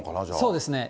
そうですね。